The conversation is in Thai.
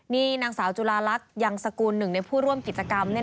นี่นางสาวจุลาลักษณ์ยังสกุลหนึ่งในผู้ร่วมกิจกรรม